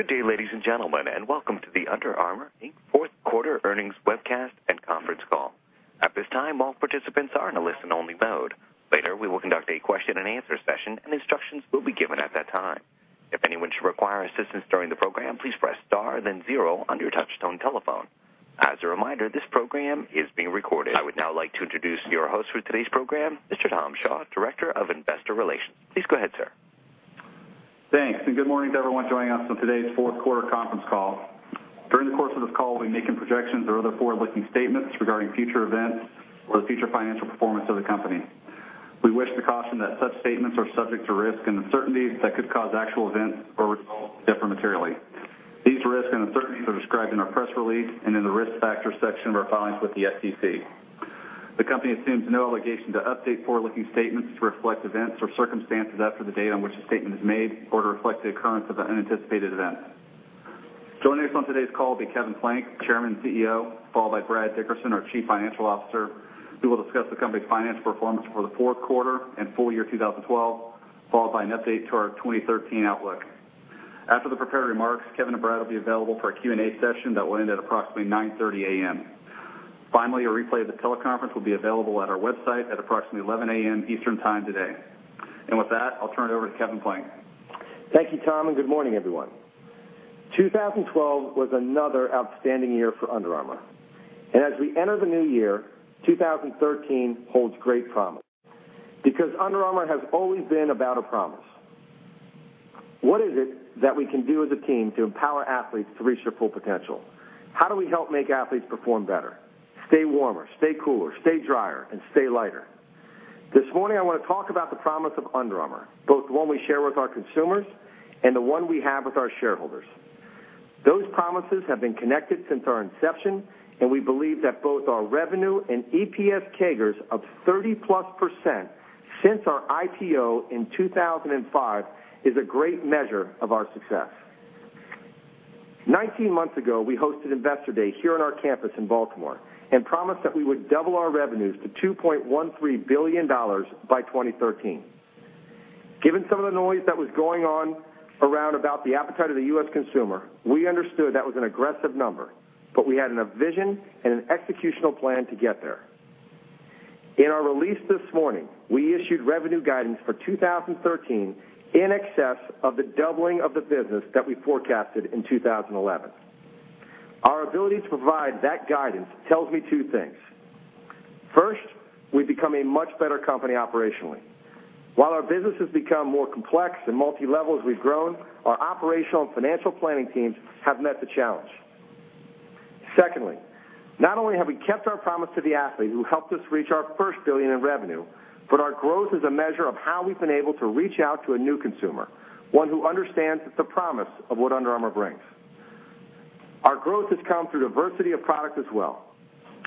Good day, ladies and gentlemen. Welcome to the Under Armour fourth quarter earnings webcast and conference call. At this time, all participants are in a listen-only mode. Later, we will conduct a question-and-answer session. Instructions will be given at that time. If anyone should require assistance during the program, please press star then zero on your touchtone telephone. As a reminder, this program is being recorded. I would now like to introduce your host for today's program, Mr. Tom Shaw, Director of Investor Relations. Please go ahead, sir. Thanks. Good morning to everyone joining us on today's fourth quarter conference call. During the course of this call, we'll be making projections or other forward-looking statements regarding future events or the future financial performance of the company. We wish to caution that such statements are subject to risks and uncertainties that could cause actual events or results to differ materially. These risks and uncertainties are described in our press release and in the Risk Factors section of our filings with the SEC. The company assumes no obligation to update forward-looking statements to reflect events or circumstances after the date on which a statement is made or to reflect the occurrence of an unanticipated event. Joining us on today's call will be Kevin Plank, Chairman and CEO, followed by Brad Dickerson, our Chief Financial Officer, who will discuss the company's financial performance for the fourth quarter and full year 2012, followed by an update to our 2013 outlook. After the prepared remarks, Kevin and Brad will be available for a Q&A session that will end at approximately 9:30 A.M. Finally, a replay of the teleconference will be available at our website at approximately 11:00 A.M. Eastern Time today. With that, I'll turn it over to Kevin Plank. Thank you, Tom. Good morning, everyone. 2012 was another outstanding year for Under Armour. As we enter the new year, 2013 holds great promise because Under Armour has always been about a promise. What is it that we can do as a team to empower athletes to reach their full potential? How do we help make athletes perform better, stay warmer, stay cooler, stay drier, and stay lighter? This morning, I want to talk about the promise of Under Armour, both the one we share with our consumers and the one we have with our shareholders. Those promises have been connected since our inception. We believe that both our revenue and EPS CAGRs of 30-plus percent since our IPO in 2005 is a great measure of our success. 19 months ago, we hosted Investor Day here on our campus in Baltimore and promised that we would double our revenues to $2.13 billion by 2013. Given some of the noise that was going on around about the appetite of the U.S. consumer, we understood that was an aggressive number, but we had a vision and an executional plan to get there. In our release this morning, we issued revenue guidance for 2013 in excess of the doubling of the business that we forecasted in 2011. Our ability to provide that guidance tells me two things. First, we have become a much better company operationally. While our business has become more complex and multilevel as we have grown, our operational and financial planning teams have met the challenge. Secondly, not only have we kept our promise to the athlete who helped us reach our $1 billion in revenue, but our growth is a measure of how we have been able to reach out to a new consumer, one who understands the promise of what Under Armour brings. Our growth has come through diversity of product as well.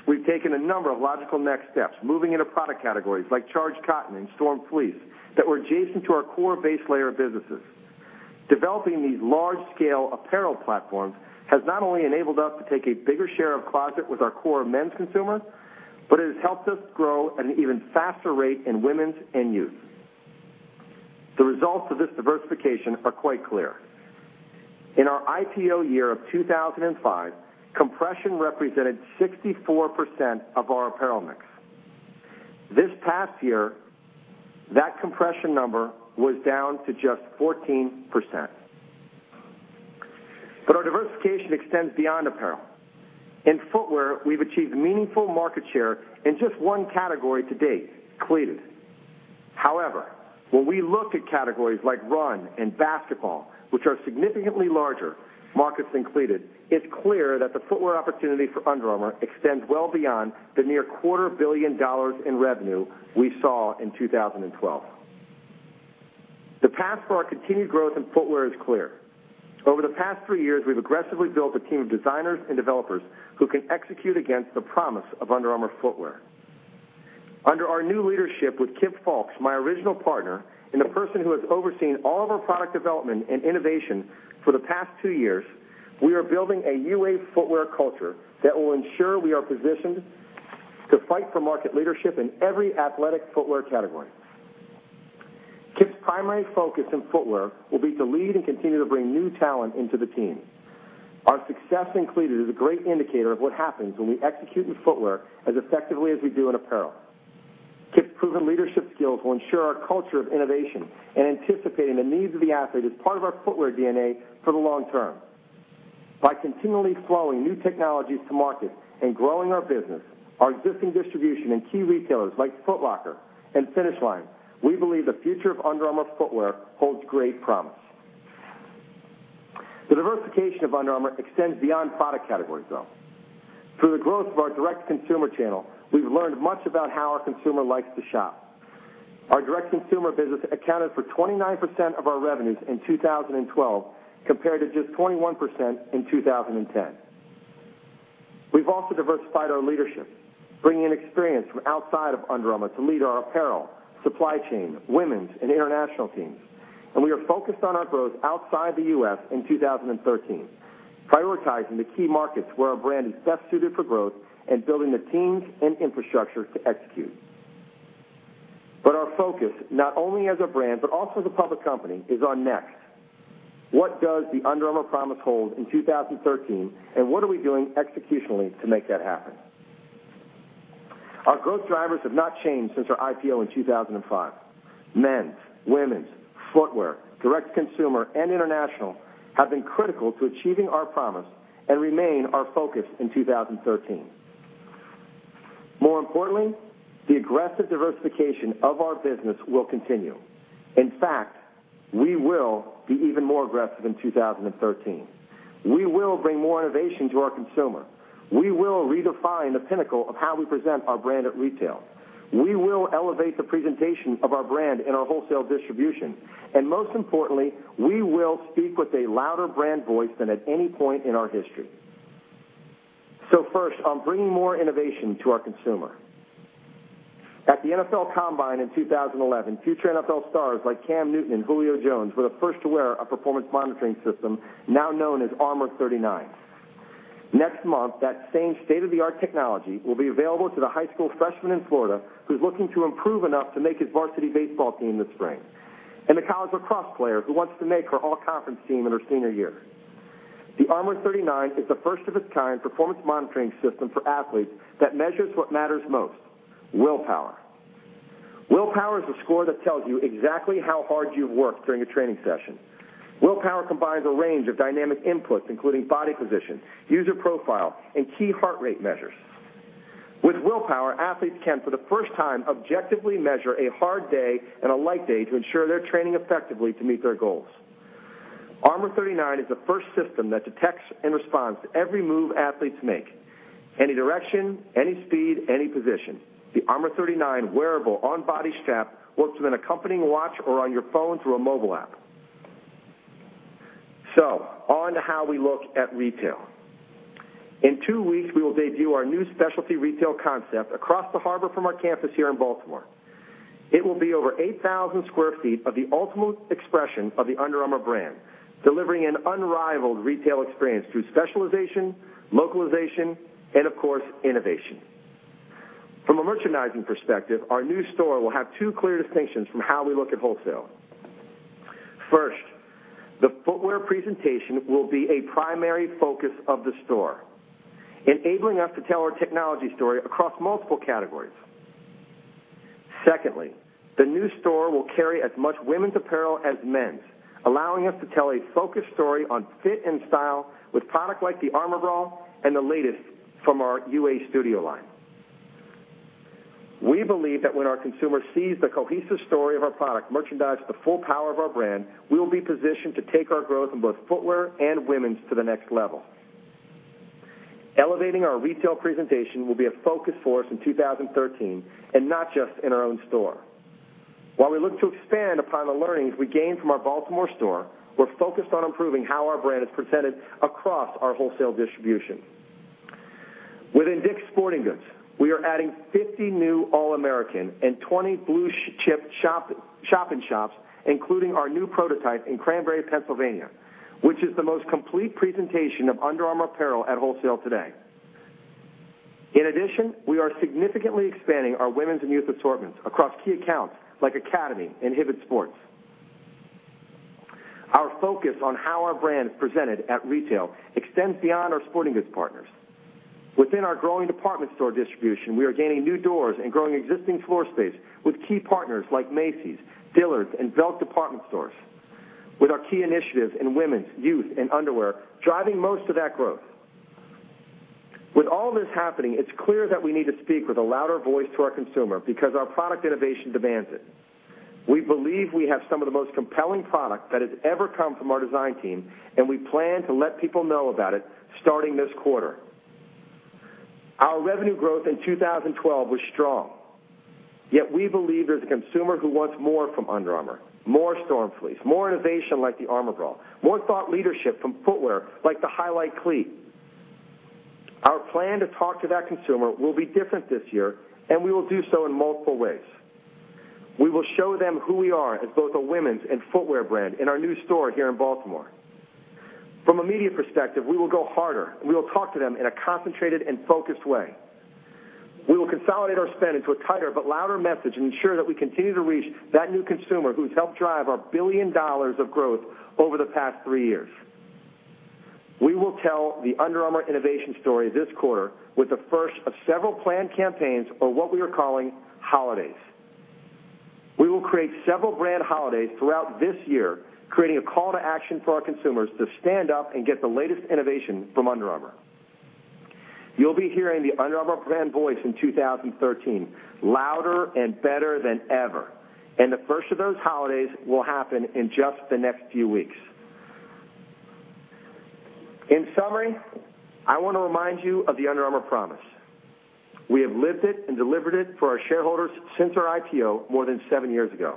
We have taken a number of logical next steps, moving into product categories like Charged Cotton and Storm Fleece that were adjacent to our core base layer businesses. Developing these large-scale apparel platforms has not only enabled us to take a bigger share of closet with our core men's consumer, but it has helped us grow at an even faster rate in women's and youth. The results of this diversification are quite clear. In our IPO year of 2005, compression represented 64% of our apparel mix. This past year, that compression number was down to just 14%. Our diversification extends beyond apparel. In footwear, we have achieved meaningful market share in just 1 category to date, cleated. However, when we look at categories like run and basketball, which are significantly larger markets than cleated, it's clear that the footwear opportunity for Under Armour extends well beyond the near quarter-billion dollars in revenue we saw in 2012. The path for our continued growth in footwear is clear. Over the past three years, we have aggressively built a team of designers and developers who can execute against the promise of Under Armour footwear. Under our new leadership with Kip Fulks, my original partner and the person who has overseen all of our product development and innovation for the past two years, we are building a UA footwear culture that will ensure we are positioned to fight for market leadership in every athletic footwear category. Kip's primary focus in footwear will be to lead and continue to bring new talent into the team. Our success in cleated is a great indicator of what happens when we execute in footwear as effectively as we do in apparel. Kip's proven leadership skills will ensure our culture of innovation and anticipating the needs of the athlete as part of our footwear DNA for the long term. By continually flowing new technologies to market and growing our business, our existing distribution in key retailers like Foot Locker and Finish Line, we believe the future of Under Armour footwear holds great promise. The diversification of Under Armour extends beyond product categories, though. Through the growth of our direct-to-consumer channel, we've learned much about how our consumer likes to shop. Our direct consumer business accounted for 29% of our revenues in 2012, compared to just 21% in 2010. We've also diversified our leadership, bringing in experience from outside of Under Armour to lead our apparel, supply chain, women's, and international teams. We are focused on our growth outside the U.S. in 2013, prioritizing the key markets where our brand is best suited for growth and building the teams and infrastructure to execute. Our focus, not only as a brand, but also as a public company, is on next. What does the Under Armour promise hold in 2013? What are we doing executionally to make that happen? Our growth drivers have not changed since our IPO in 2005. Men's, women's, footwear, direct-to-consumer, and international have been critical to achieving our promise and remain our focus in 2013. More importantly, the aggressive diversification of our business will continue. In fact, we will be even more aggressive in 2013. We will bring more innovation to our consumer. We will redefine the pinnacle of how we present our brand at retail. We will elevate the presentation of our brand in our wholesale distribution. Most importantly, we will speak with a louder brand voice than at any point in our history. First, on bringing more innovation to our consumer. At the NFL Combine in 2011, future NFL stars like Cam Newton and Julio Jones were the first to wear our performance monitoring system, now known as Armour39. Next month, that same state-of-the-art technology will be available to the high school freshman in Florida who's looking to improve enough to make his varsity baseball team this spring, and the college lacrosse player who wants to make her all-conference team in her senior year. The Armour39 is the first-of-its-kind performance monitoring system for athletes that measures what matters most, Willpower. Willpower is a score that tells you exactly how hard you've worked during a training session. Willpower combines a range of dynamic inputs, including body position, user profile, and key heart rate measures. With Willpower, athletes can, for the first time, objectively measure a hard day and a light day to ensure they're training effectively to meet their goals. Armour39 is the first system that detects and responds to every move athletes make. Any direction, any speed, any position. The Armour39 wearable on-body strap works with an accompanying watch or on your phone through a mobile app. On to how we look at retail. In two weeks, we will debut our new specialty retail concept across the harbor from our campus here in Baltimore. It will be over 8,000 sq ft of the ultimate expression of the Under Armour brand, delivering an unrivaled retail experience through specialization, localization, and of course, innovation. From a merchandising perspective, our new store will have two clear distinctions from how we look at wholesale. First, the footwear presentation will be a primary focus of the store, enabling us to tell our technology story across multiple categories. Secondly, the new store will carry as much women's apparel as men's, allowing us to tell a focused story on fit and style with product like the Armour Bra and the latest from our UA Studio line. We believe that when our consumer sees the cohesive story of our product merchandise, the full power of our brand, we will be positioned to take our growth in both footwear and women's to the next level. Elevating our retail presentation will be a focus for us in 2013. Not just in our own store. While we look to expand upon the learnings we gained from our Baltimore store, we're focused on improving how our brand is presented across our wholesale distribution. Within DICK'S Sporting Goods, we are adding 50 new All-America and 20 Blue Chip shop-in-shops, including our new prototype in Cranberry, Pennsylvania, which is the most complete presentation of Under Armour apparel at wholesale today. In addition, we are significantly expanding our women's and youth assortments across key accounts like Academy and Hibbett Sports. Our focus on how our brand is presented at retail extends beyond our sporting goods partners. Within our growing department store distribution, we are gaining new doors and growing existing floor space with key partners like Macy's, Dillard's, and Belk Department Stores, with our key initiatives in women's, youth, and underwear driving most of that growth. With all this happening, it's clear that we need to speak with a louder voice to our consumer because our product innovation demands it. We believe we have some of the most compelling product that has ever come from our design team, and we plan to let people know about it starting this quarter. Our revenue growth in 2012 was strong. We believe there's a consumer who wants more from Under Armour, more Storm Fleece, more innovation like the Armour Bra, more thought leadership from footwear like the Highlight Cleat. Our plan to talk to that consumer will be different this year, and we will do so in multiple ways. We will show them who we are as both a women's and footwear brand in our new store here in Baltimore. From a media perspective, we will go harder, and we will talk to them in a concentrated and focused way. We will consolidate our spend into a tighter but louder message and ensure that we continue to reach that new consumer who's helped drive our $1 billion of growth over the past three years. We will tell the Under Armour innovation story this quarter with the first of several planned campaigns of what we are calling holidays. We will create several brand holidays throughout this year, creating a call to action for our consumers to stand up and get the latest innovation from Under Armour. You'll be hearing the Under Armour brand voice in 2013, louder and better than ever, and the first of those holidays will happen in just the next few weeks. In summary, I want to remind you of the Under Armour promise. We have lived it and delivered it for our shareholders since our IPO more than seven years ago.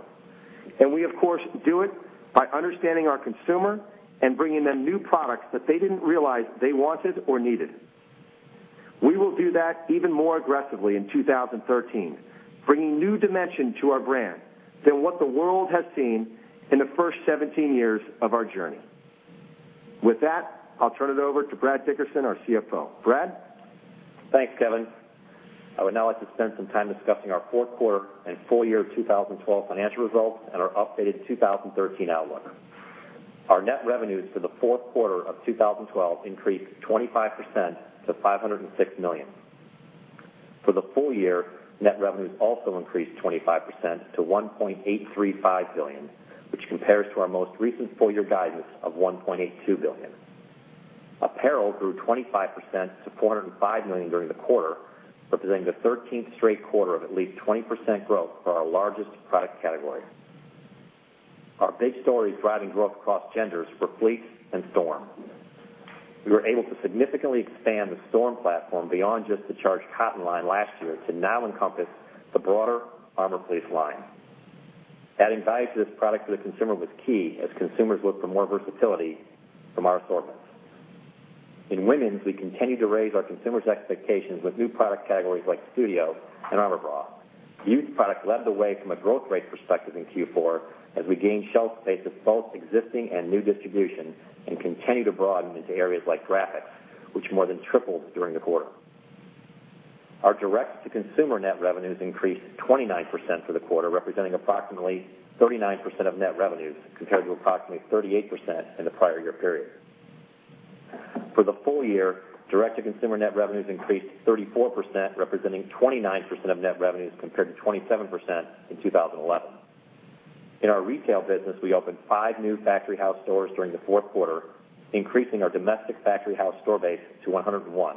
We, of course, do it by understanding our consumer and bringing them new products that they didn't realize they wanted or needed. We will do that even more aggressively in 2013, bringing new dimension to our brand than what the world has seen in the first 17 years of our journey. With that, I'll turn it over to Brad Dickerson, our CFO. Brad? Thanks, Kevin. I would now like to spend some time discussing our fourth quarter and full year 2012 financial results and our updated 2013 outlook. Our net revenues for the fourth quarter of 2012 increased 25% to $506 million. For the full year, net revenues also increased 25% to $1.835 billion, which compares to our most recent full year guidance of $1.82 billion. Apparel grew 25% to $405 million during the quarter, representing the 13th straight quarter of at least 20% growth for our largest product category. Our big stories driving growth across genders were Fleece and Storm. We were able to significantly expand the Storm platform beyond just the Charged Cotton line last year to now encompass the broader Armour Fleece line. Adding value to this product for the consumer was key as consumers look for more versatility from our assortments. In women's, we continue to raise our consumers' expectations with new product categories like Studio and Armour Bra. Youth product led the way from a growth rate perspective in Q4, as we gained shelf space with both existing and new distribution and continue to broaden into areas like graphics, which more than tripled during the quarter. Our direct-to-consumer net revenues increased 29% for the quarter, representing approximately 39% of net revenues, compared to approximately 38% in the prior year period. For the full year, direct-to-consumer net revenues increased 34%, representing 29% of net revenues, compared to 27% in 2011. In our retail business, we opened five new Factory House stores during the fourth quarter, increasing our domestic Factory House store base to 101,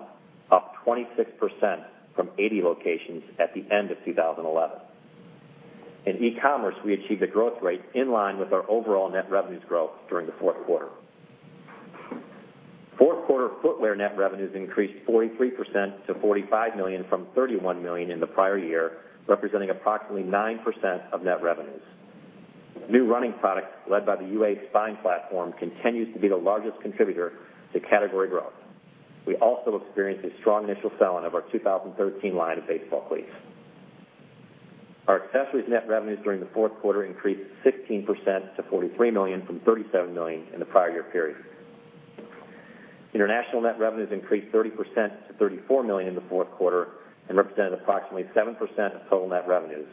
up 26% from 80 locations at the end of 2011. In e-commerce, we achieved a growth rate in line with our overall net revenues growth during the fourth quarter. Fourth quarter footwear net revenues increased 43% to $45 million from $31 million in the prior year, representing approximately 9% of net revenues. New running products, led by the UA Spine platform, continues to be the largest contributor to category growth. We also experienced a strong initial sell-in of our 2013 line of baseball cleats. Our accessories net revenues during the fourth quarter increased 16% to $43 million from $37 million in the prior year period. International net revenues increased 30% to $34 million in the fourth quarter and represented approximately 7% of total net revenues,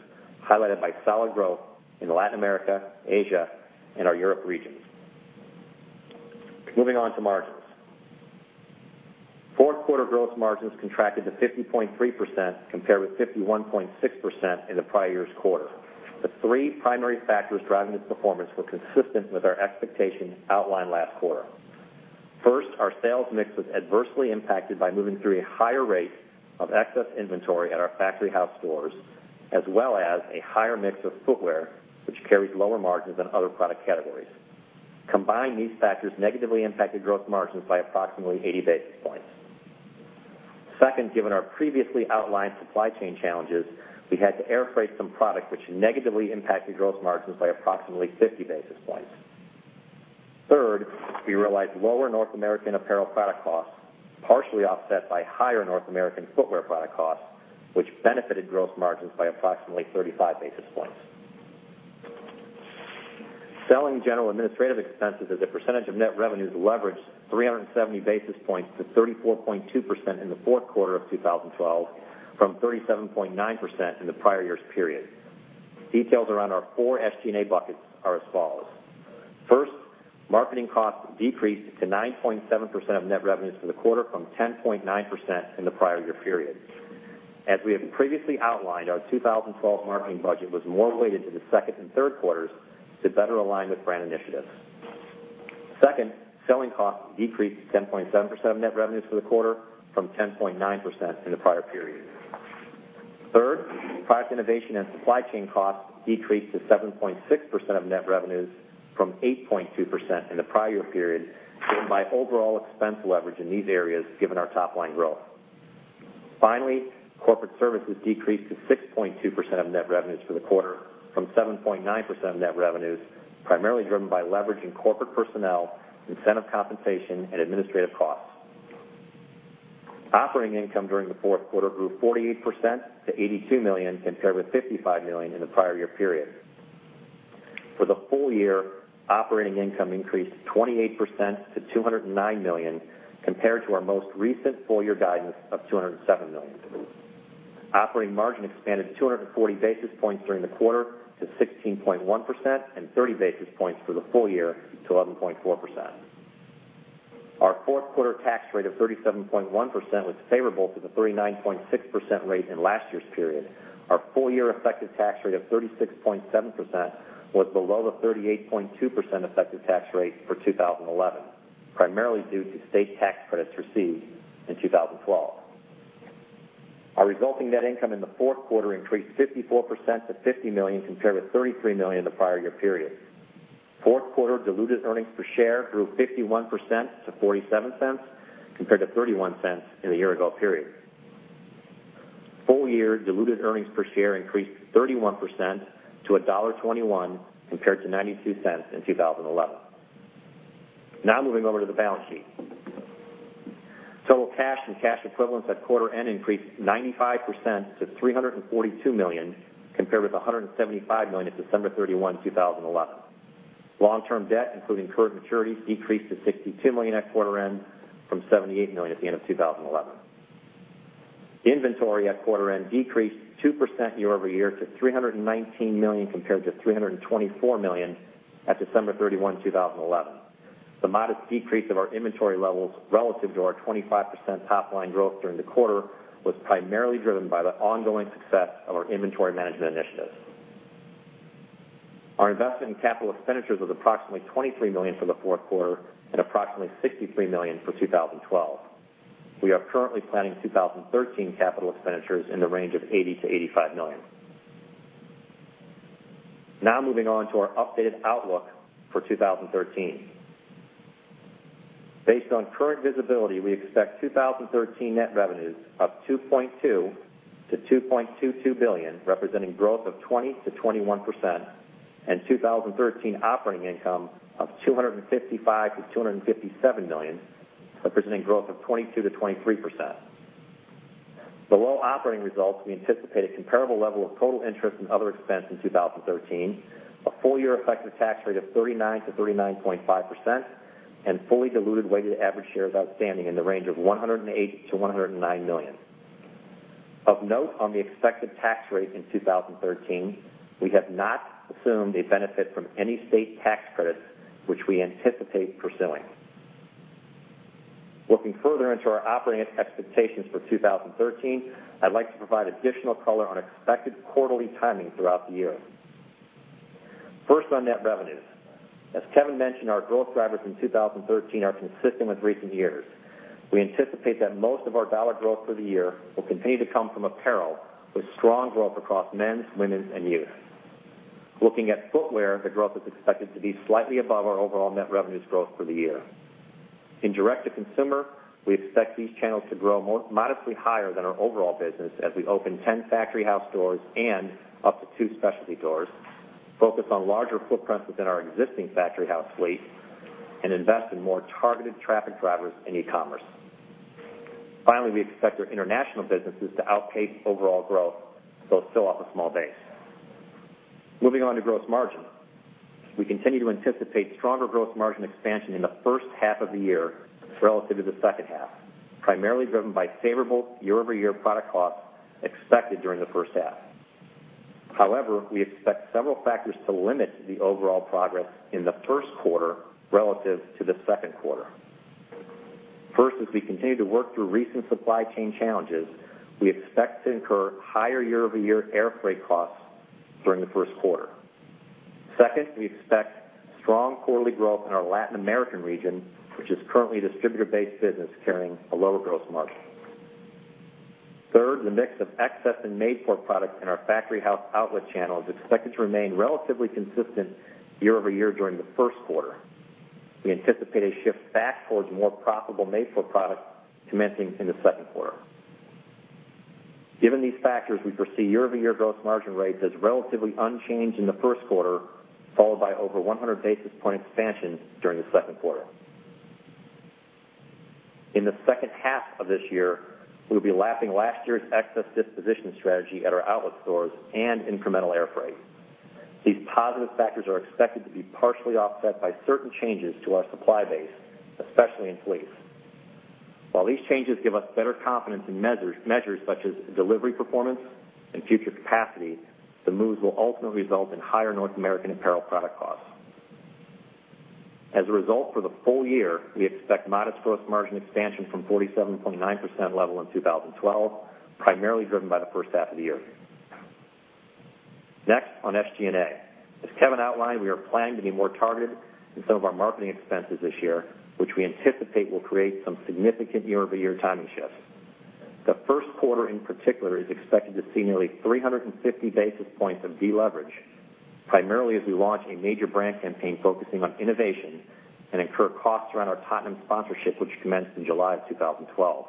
highlighted by solid growth in the Latin America, Asia, and our Europe regions. Moving on to margins. Fourth quarter gross margins contracted to 50.3%, compared with 51.6% in the prior year's quarter. The three primary factors driving this performance were consistent with our expectations outlined last quarter. First, our sales mix was adversely impacted by moving through a higher rate of excess inventory at our Factory House stores, as well as a higher mix of footwear, which carries lower margins than other product categories. Combined, these factors negatively impacted gross margins by approximately 80 basis points. Second, given our previously outlined supply chain challenges, we had to air freight some product, which negatively impacted gross margins by approximately 50 basis points. Third, we realized lower North American apparel product costs, partially offset by higher North American footwear product costs, which benefited gross margins by approximately 35 basis points. Selling, general, administrative expenses as a percentage of net revenues leveraged 370 basis points to 34.2% in the fourth quarter of 2012 from 37.9% in the prior year's period. Details around our four SG&A buckets are as follows. First, marketing costs decreased to 9.7% of net revenues for the quarter from 10.9% in the prior year period. As we have previously outlined, our 2012 marketing budget was more weighted to the second and third quarters to better align with brand initiatives. Second, selling costs decreased to 10.7% of net revenues for the quarter from 10.9% in the prior period. Third, product innovation and supply chain costs decreased to 7.6% of net revenues from 8.2% in the prior year period, driven by overall expense leverage in these areas given our top-line growth. Finally, corporate services decreased to 6.2% of net revenues for the quarter from 7.9% of net revenues, primarily driven by leverage in corporate personnel, incentive compensation, and administrative costs. Operating income during the fourth quarter grew 48% to $82 million, compared with $55 million in the prior year period. For the full year, operating income increased 28% to $209 million, compared to our most recent full year guidance of $207 million. Operating margin expanded 240 basis points during the quarter to 16.1% and 30 basis points for the full year to 11.4%. Our fourth quarter tax rate of 37.1% was favorable to the 39.6% rate in last year's period. Our full year effective tax rate of 36.7% was below the 38.2% effective tax rate for 2011, primarily due to state tax credits received in 2012. Our resulting net income in the fourth quarter increased 54% to $50 million, compared with $33 million in the prior year period. Fourth quarter diluted earnings per share grew 51% to $0.47, compared to $0.31 in the year ago period. Full year diluted earnings per share increased 31% to $1.21, compared to $0.92 in 2011. Moving over to the balance sheet. Total cash and cash equivalents at quarter end increased 95% to $342 million, compared with $175 million at December 31, 2011. Long-term debt, including current maturities, decreased to $62 million at quarter end from $78 million at the end of 2011. Inventory at quarter end decreased 2% year-over-year to $319 million compared to $324 million at December 31, 2011. The modest decrease of our inventory levels relative to our 25% top-line growth during the quarter was primarily driven by the ongoing success of our inventory management initiatives. Our investment in capital expenditures was approximately $23 million for the fourth quarter and approximately $63 million for 2012. We are currently planning 2013 capital expenditures in the range of $80 million-$85 million. Moving on to our updated outlook for 2013. Based on current visibility, we expect 2013 net revenues of $2.2 billion-$2.22 billion, representing growth of 20%-21%, and 2013 operating income of $255 million-$257 million, representing growth of 22%-23%. Below operating results, we anticipate a comparable level of total interest and other expense in 2013, a full-year effective tax rate of 39%-39.5%, and fully diluted weighted average shares outstanding in the range of 108 million-109 million. Of note on the expected tax rate in 2013, we have not assumed a benefit from any state tax credits, which we anticipate pursuing. Looking further into our operating expectations for 2013, I'd like to provide additional color on expected quarterly timing throughout the year. First, on net revenues. As Kevin mentioned, our growth drivers in 2013 are consistent with recent years. We anticipate that most of our dollar growth for the year will continue to come from apparel, with strong growth across men's, women's, and youth. Looking at footwear, the growth is expected to be slightly above our overall net revenues growth for the year. In direct-to-consumer, we expect these channels to grow modestly higher than our overall business as we open 10 Factory House stores and up to two specialty stores, focus on larger footprints within our existing Factory House fleet, and invest in more targeted traffic drivers in e-commerce. Finally, we expect our international businesses to outpace overall growth, though still off a small base. Moving on to gross margin. We continue to anticipate stronger growth margin expansion in the first half of the year relative to the second half, primarily driven by favorable year-over-year product costs expected during the first half. However, we expect several factors to limit the overall progress in the first quarter relative to the second quarter. First, as we continue to work through recent supply chain challenges, we expect to incur higher year-over-year air freight costs during the first quarter. Second, we expect strong quarterly growth in our Latin American region, which is currently a distributor-based business carrying a lower gross margin. Third, the mix of excess and made-for products in our Factory House outlet channel is expected to remain relatively consistent year-over-year during the first quarter. We anticipate a shift back towards more profitable made-for product commencing in the second quarter. Given these factors, we foresee year-over-year gross margin rates as relatively unchanged in the first quarter, followed by over 100 basis point expansion during the second quarter. In the second half of this year, we'll be lapping last year's excess disposition strategy at our outlet stores and incremental air freight. These positive factors are expected to be partially offset by certain changes to our supply base, especially in fleece. While these changes give us better confidence in measures such as delivery performance and future capacity, the moves will ultimately result in higher North American apparel product costs. As a result, for the full year, we expect modest gross margin expansion from 47.9% level in 2012, primarily driven by the first half of the year. Next, on SG&A. As Kevin outlined, we are planning to be more targeted in some of our marketing expenses this year, which we anticipate will create some significant year-over-year timing shifts. The first quarter in particular is expected to see nearly 350 basis points of deleverage, primarily as we launch a major brand campaign focusing on innovation and incur costs around our Tottenham sponsorship, which commenced in July of 2012.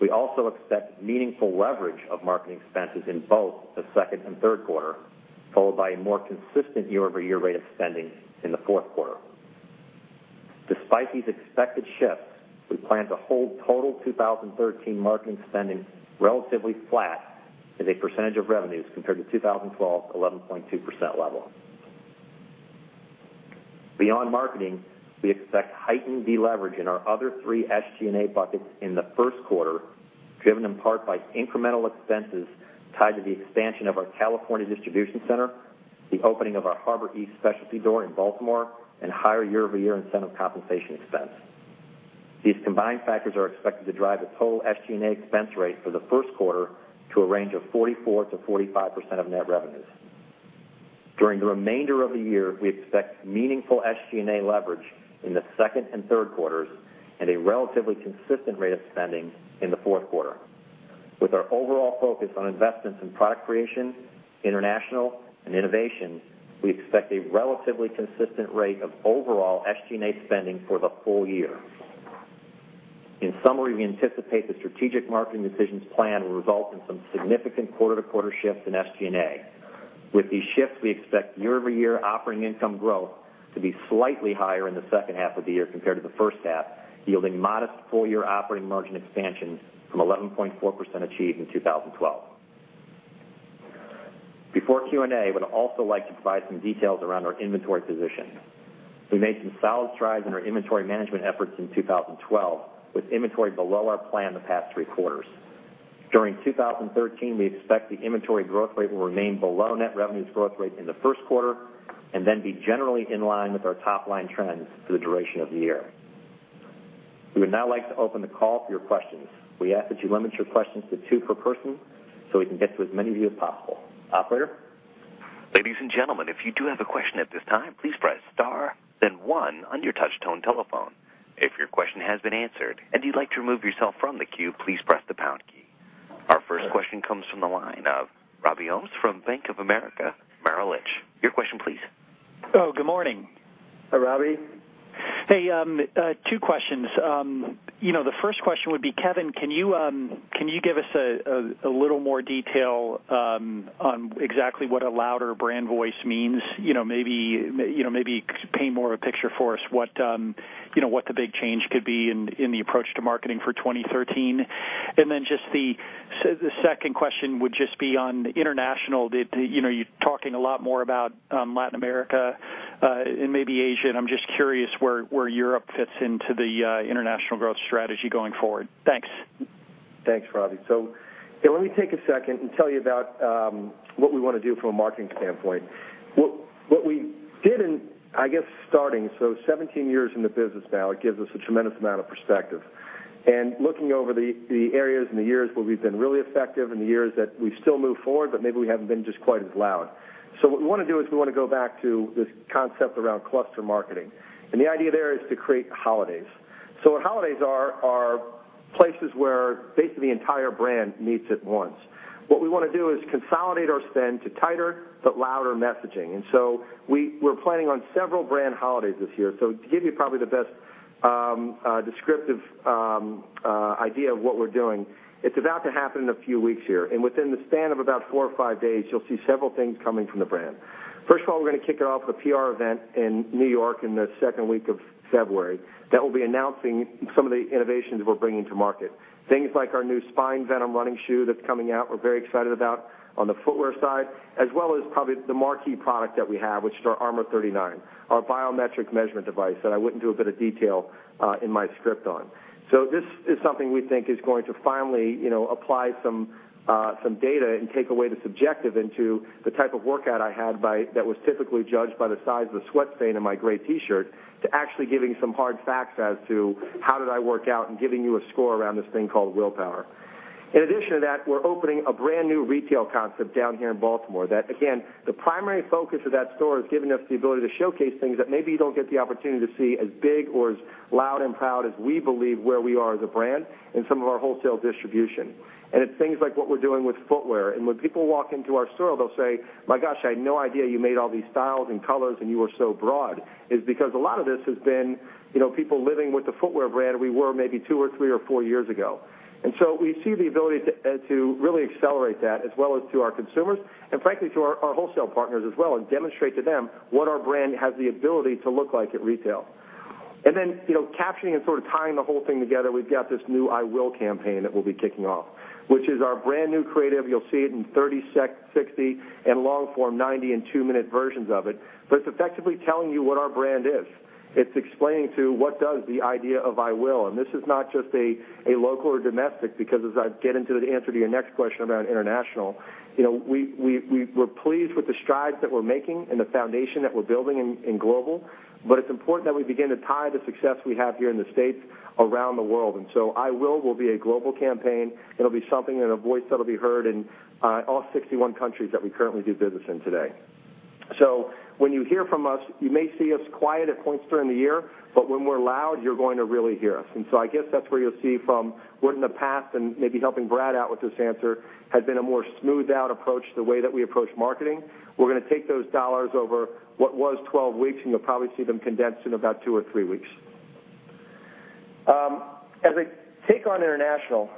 We also expect meaningful leverage of marketing expenses in both the second and third quarter, followed by a more consistent year-over-year rate of spending in the fourth quarter. Despite these expected shifts, we plan to hold total 2013 marketing spending relatively flat as a percentage of revenues compared to 2012 11.2% level. Beyond marketing, we expect heightened deleverage in our other three SG&A buckets in the first quarter, driven in part by incremental expenses tied to the expansion of our California distribution center, the opening of our Harbor East specialty store in Baltimore, and higher year-over-year incentive compensation expense. These combined factors are expected to drive a total SG&A expense rate for the first quarter to a range of 44%-45% of net revenues. During the remainder of the year, we expect meaningful SG&A leverage in the second and third quarters and a relatively consistent rate of spending in the fourth quarter. With our overall focus on investments in product creation, international, and innovation, we expect a relatively consistent rate of overall SG&A spending for the full year. In summary, we anticipate the strategic marketing decisions plan will result in some significant quarter-to-quarter shifts in SG&A. With these shifts, we expect year-over-year operating income growth to be slightly higher in the second half of the year compared to the first half, yielding modest full-year operating margin expansion from 11.4% achieved in 2012. Before Q&A, I would also like to provide some details around our inventory position. We made some solid strides in our inventory management efforts in 2012, with inventory below our plan the past three quarters. During 2013, we expect the inventory growth rate will remain below net revenues growth rate in the first quarter, and then be generally in line with our top-line trends for the duration of the year. We would now like to open the call for your questions. We ask that you limit your questions to two per person so we can get to as many of you as possible. Operator? Ladies and gentlemen, if you do have a question at this time, please press star then one on your touch-tone telephone. If your question has been answered and you would like to remove yourself from the queue, please press the pound key. Our first question comes from the line of Robert Ohmes from Bank of America Merrill Lynch. Your question please. Oh, good morning. Hi, Robbie. Hey, two questions. The first question would be, Kevin, can you give us a little more detail on exactly what a louder brand voice means? Maybe paint more of a picture for us what the big change could be in the approach to marketing for 2013. Just the second question would just be on international. You're talking a lot more about Latin America and maybe Asia. I'm just curious where Europe fits into the international growth strategy going forward. Thanks. Thanks, Robbie. Let me take a second and tell you about what we want to do from a marketing standpoint. What we did in, I guess, starting, 17 years in the business now, it gives us a tremendous amount of perspective. Looking over the areas and the years where we've been really effective and the years that we've still moved forward, but maybe we haven't been just quite as loud. What we want to do is we want to go back to this concept around cluster marketing. The idea there is to create holidays. What holidays are places where basically the entire brand meets at once. What we want to do is consolidate our spend to tighter but louder messaging. We're planning on several brand holidays this year. To give you probably the best descriptive idea of what we're doing, it's about to happen in a few weeks here. Within the span of about four or five days, you'll see several things coming from the brand. First of all, we're going to kick it off with a PR event in New York in the second week of February that will be announcing some of the innovations we're bringing to market. Things like our new Spine Venom running shoe that's coming out, we're very excited about on the footwear side, as well as probably the marquee product that we have, which is our Armour39, our biometric measurement device that I went into a bit of detail in my script on. This is something we think is going to finally apply some data and take away the subjective into the type of workout I had that was typically judged by the size of the sweat stain on my gray T-shirt to actually giving some hard facts as to how did I work out and giving you a score around this thing called willpower. In addition to that, we're opening a brand-new retail concept down here in Baltimore that, again, the primary focus of that store is giving us the ability to showcase things that maybe you don't get the opportunity to see as big or as loud and proud as we believe where we are as a brand in some of our wholesale distribution. It's things like what we're doing with footwear. When people walk into our store, they'll say, "My gosh, I had no idea you made all these styles and colors and you were so broad." It's because a lot of this has been people living with the footwear brand we were maybe two or three or four years ago. We see the ability to really accelerate that as well as to our consumers and frankly to our wholesale partners as well and demonstrate to them what our brand has the ability to look like at retail. Capturing and sort of tying the whole thing together, we've got this new I Will campaign that we'll be kicking off, which is our brand-new creative. You'll see it in 30, 60, and long-form 90 and two-minute versions of it. It's effectively telling you what our brand is. It's explaining to what does the idea of I Will, and this is not just a local or domestic because as I get into the answer to your next question around international, we're pleased with the strides that we're making and the foundation that we're building in global, but it's important that we begin to tie the success we have here in the U.S. around the world. I Will will be a global campaign. It'll be something and a voice that'll be heard in all 61 countries that we currently do business in today. When you hear from us, you may see us quiet at points during the year, but when we're loud, you're going to really hear us. I guess that's where you'll see from what in the past, and maybe helping Brad out with this answer, has been a more smoothed-out approach to the way that we approach marketing. We're going to take those dollars over what was 12 weeks, and you'll probably see them condensed in about two or three weeks. As a take on international,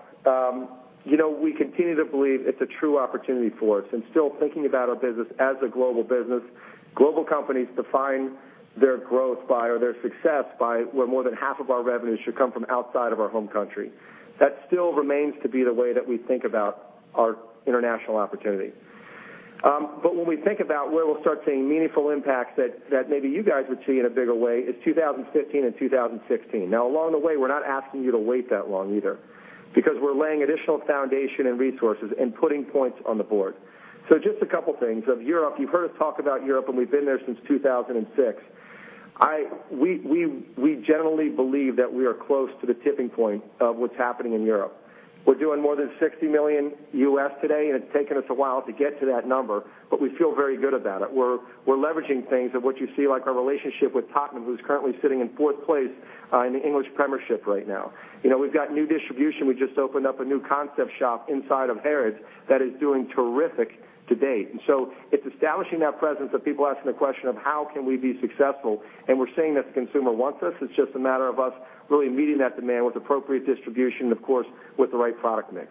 we continue to believe it's a true opportunity for us and still thinking about our business as a global business. Global companies define their growth or their success by where more than half of our revenues should come from outside of our home country. That still remains to be the way that we think about our international opportunity. When we think about where we'll start seeing meaningful impacts that maybe you guys would see in a bigger way is 2015 and 2016. Along the way, we're not asking you to wait that long either because we're laying additional foundation and resources and putting points on the board. Just a couple things. Of Europe, you've heard us talk about Europe, and we've been there since 2006. We generally believe that we are close to the tipping point of what's happening in Europe. We're doing more than $60 million today, and it's taken us a while to get to that number, but we feel very good about it. We're leveraging things of what you see, like our relationship with Tottenham, who's currently sitting in fourth place in the Premier League right now. We've got new distribution. We just opened up a new concept shop inside of Harrods that is doing terrific to date. It's establishing that presence of people asking the question of how can we be successful, and we're seeing that the consumer wants us. It's just a matter of us really meeting that demand with appropriate distribution, of course, with the right product mix.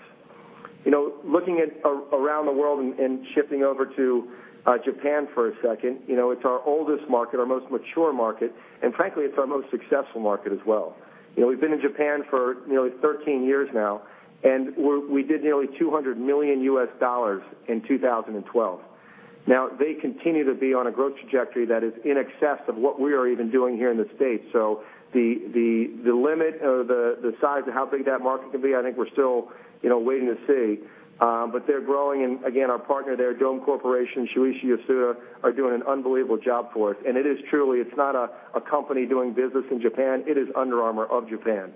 Looking at around the world and shifting over to Japan for a second, it's our oldest market, our most mature market, and frankly, it's our most successful market as well. We've been in Japan for nearly 13 years now, and we did nearly $200 million in 2012. They continue to be on a growth trajectory that is in excess of what we are even doing here in the U.S. The limit or the size of how big that market can be, I think we're still waiting to see. They're growing and again, our partner there, DOME Corporation, Shuichi Yasuda, are doing an unbelievable job for us. It is truly, it's not a company doing business in Japan, it is Under Armour of Japan.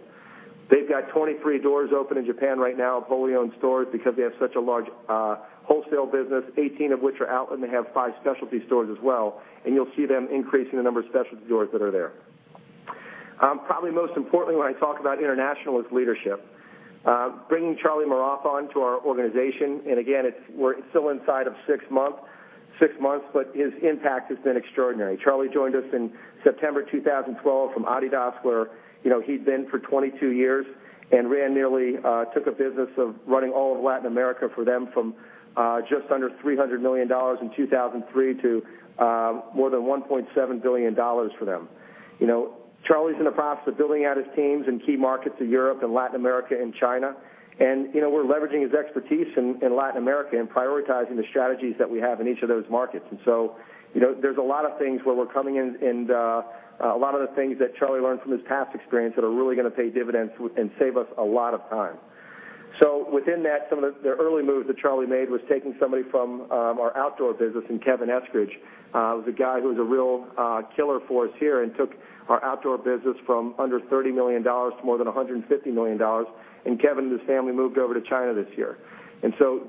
They've got 23 doors open in Japan right now, fully owned stores, because they have such a large wholesale business, 18 of which are outlet, they have 5 specialty stores as well, you'll see them increasing the number of specialty stores that are there. Probably most importantly, when I talk about international is leadership. Bringing Charlie Maurath on to our organization, we're still inside of 6 months, his impact has been extraordinary. Charlie joined us in September 2012 from Adidas, where he'd been for 22 years, took a business of running all of Latin America for them from just under $300 million in 2003 to more than $1.7 billion for them. Charlie's in the process of building out his teams in key markets of Europe and Latin America and China. We're leveraging his expertise in Latin America and prioritizing the strategies that we have in each of those markets. There's a lot of things where we're coming in and a lot of the things that Charlie learned from his past experience that are really going to pay dividends and save us a lot of time. Within that, some of the early moves that Charlie made was taking somebody from our outdoor business in Kevin Eskridge, who's a guy who was a real killer for us here and took our outdoor business from under $30 million to more than $150 million. Kevin and his family moved over to China this year.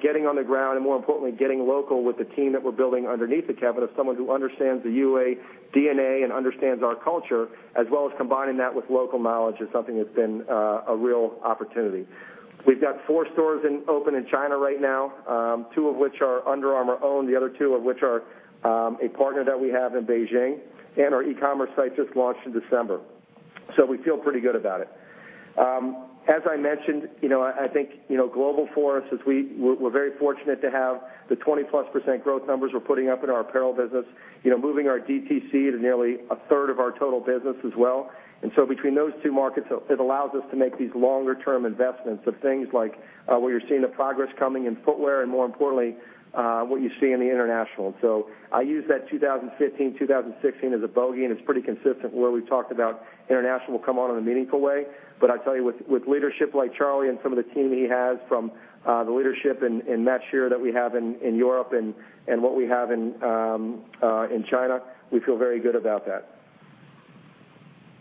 Getting on the ground and more importantly, getting local with the team that we're building underneath of Kevin, of someone who understands the UA DNA and understands our culture, as well as combining that with local knowledge is something that's been a real opportunity. We've got 4 stores open in China right now, 2 of which are Under Armour-owned, the other 2 of which are a partner that we have in Beijing. Our e-commerce site just launched in December. We feel pretty good about it. As I mentioned, I think global for us is we're very fortunate to have the 20-plus% growth numbers we're putting up in our apparel business, moving our DTC to nearly a third of our total business as well. Between those 2 markets, it allows us to make these longer-term investments of things like where you're seeing the progress coming in footwear and more importantly, what you see in the international. I use that 2015, 2016 as a bogey, it's pretty consistent where we've talked about international will come on in a meaningful way. I tell you with leadership like Charlie and some of the team he has from the leadership in Matt Shearer that we have in Europe and what we have in China, we feel very good about that.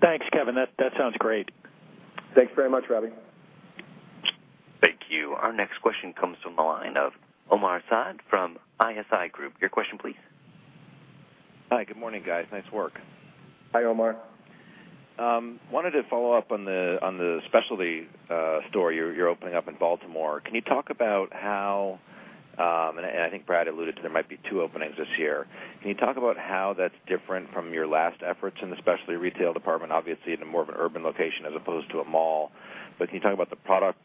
Thanks, Kevin. That sounds great. Thanks very much, Robbie. Thank you. Our next question comes from the line of Omar Saad from ISI Group. Your question, please. Hi, good morning, guys. Nice work. Hi, Omar. Wanted to follow up on the specialty store you're opening up in Baltimore. Can you talk about how, and I think Brad alluded to there might be two openings this year, can you talk about how that's different from your last efforts in the specialty retail department? Obviously, in a more of an urban location as opposed to a mall, but can you talk about the product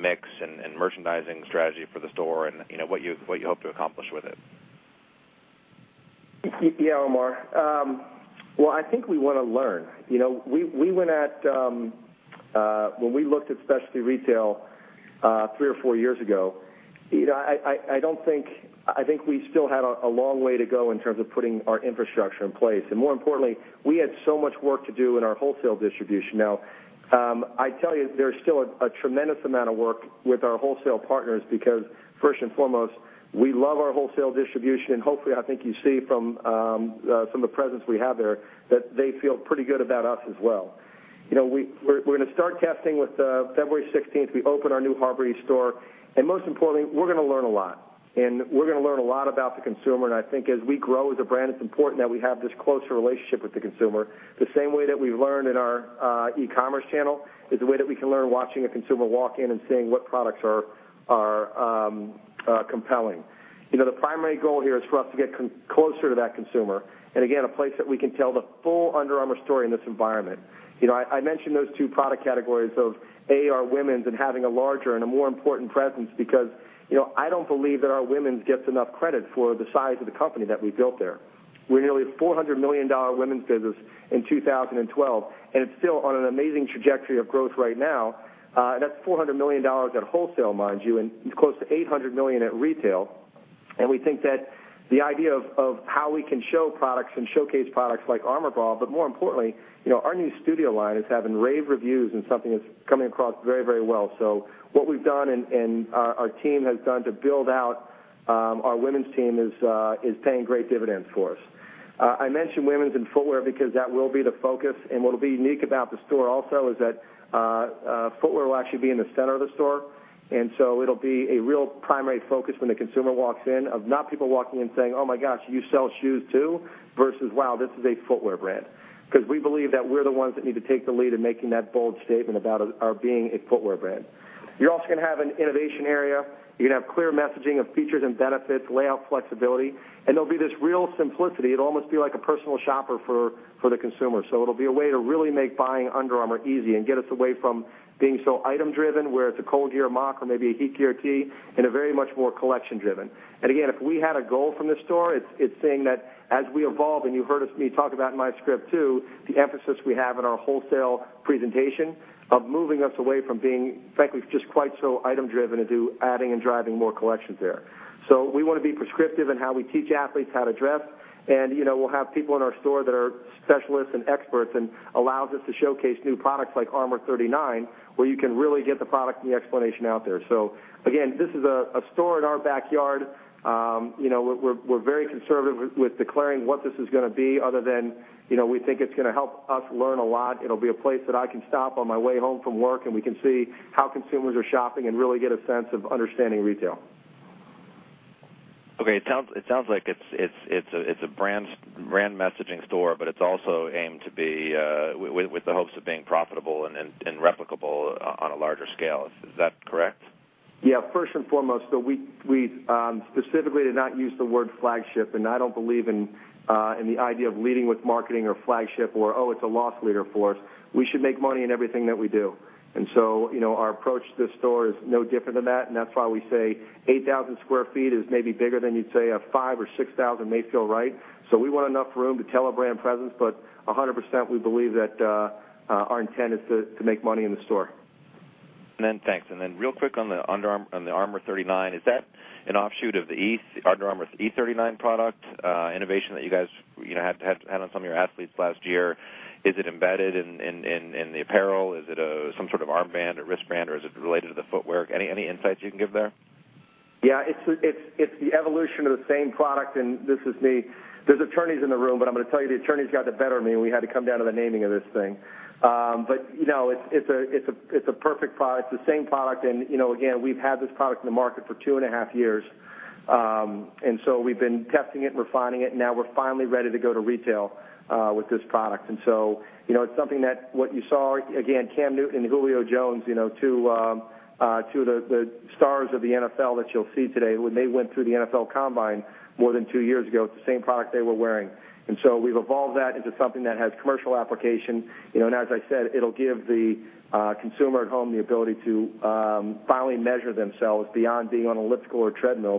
mix and merchandising strategy for the store and what you hope to accomplish with it? Yeah, Omar. Well, I think we want to learn. When we looked at specialty retail, three or four years ago, I think we still had a long way to go in terms of putting our infrastructure in place. More importantly, we had so much work to do in our wholesale distribution. Now, I tell you, there's still a tremendous amount of work with our wholesale partners because first and foremost, we love our wholesale distribution, and hopefully, I think you see from the presence we have there, that they feel pretty good about us as well. We're going to start testing with February 16th, we open our new Harbor East store, and most importantly, we're going to learn a lot. We're going to learn a lot about the consumer, and I think as we grow as a brand, it's important that we have this closer relationship with the consumer. The same way that we learn in our e-commerce channel is the way that we can learn watching a consumer walk in and seeing what products are compelling. The primary goal here is for us to get closer to that consumer, and again, a place that we can tell the full Under Armour story in this environment. I mentioned those two product categories of, A, our women's and having a larger and a more important presence because, I don't believe that our women's gets enough credit for the size of the company that we built there. We're nearly a $400 million women's business in 2012, and it's still on an amazing trajectory of growth right now. That's $400 million at wholesale, mind you, and close to $800 million at retail. We think that the idea of how we can show products and showcase products like Armour Bra, but more importantly, our new Studio line is having rave reviews and something that's coming across very, very well. What we've done and our team has done to build out our women's team is paying great dividends for us. I mentioned women's and footwear because that will be the focus and what'll be unique about the store also is that footwear will actually be in the center of the store. It'll be a real primary focus when the consumer walks in of not people walking in saying, "Oh my gosh, you sell shoes too?" Versus, "Wow, this is a footwear brand." We believe that we're the ones that need to take the lead in making that bold statement about our being a footwear brand. You're also going to have an innovation area. You're going to have clear messaging of features and benefits, layout flexibility, and there'll be this real simplicity. It'll almost be like a personal shopper for the consumer. It'll be a way to really make buying Under Armour easy and get us away from being so item-driven, where it's a ColdGear mock or maybe a HeatGear tee, and a very much more collection driven. Again, if we had a goal from this store, it's saying that as we evolve, and you heard me talk about in my script, too, the emphasis we have in our wholesale presentation of moving us away from being, frankly, just quite so item driven into adding and driving more collections there. We want to be prescriptive in how we teach athletes how to dress, and we'll have people in our store that are specialists and experts and allows us to showcase new products like Armour39, where you can really get the product and the explanation out there. Again, this is a store in our backyard. We're very conservative with declaring what this is going to be other than we think it's going to help us learn a lot. It'll be a place that I can stop on my way home from work, and we can see how consumers are shopping and really get a sense of understanding retail. Okay. It sounds like it's a brand messaging store, but it's also aimed to be with the hopes of being profitable and replicable on a larger scale. Is that correct? Yeah. First and foremost, though, we specifically did not use the word flagship, and I don't believe in the idea of leading with marketing or flagship or, oh, it's a loss leader for us. We should make money in everything that we do. Our approach to the store is no different than that, and that's why we say 8,000 sq ft is maybe bigger than you'd say a 5 or 6,000 may feel right. We want enough room to tell a brand presence, but 100%, we believe that our intent is to make money in the store. Thanks. Real quick on the Armour39, is that an offshoot of the Under Armour E39 product innovation that you guys had on some of your athletes last year? Is it embedded in the apparel? Is it some sort of armband or wristband, or is it related to the footwear? Any insights you can give there? Yeah. It's the evolution of the same product, and this is me. There's attorneys in the room, but I'm going to tell you, the attorneys got the better of me, and we had to come down to the naming of this thing. It's a perfect product. It's the same product, and again, we've had this product in the market for two and a half years. We've been testing it and refining it, and now we're finally ready to go to retail with this product. It's something that what you saw again, Cam Newton and Julio Jones two of the stars of the NFL that you'll see today. When they went through the NFL Combine more than two years ago, it's the same product they were wearing. We've evolved that into something that has commercial application, and as I said, it'll give the consumer at home the ability to finally measure themselves beyond being on elliptical or treadmill.